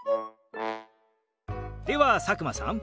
では佐久間さん。